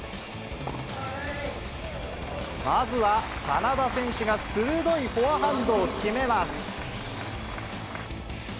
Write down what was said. まずは、眞田選手が鋭いフォアハンドを決めます。